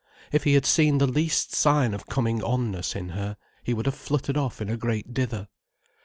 If he had seen the least sign of coming on ness in her, he would have fluttered off in a great dither.